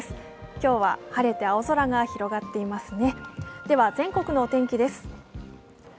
今日は、晴れて青空が広がっていますね。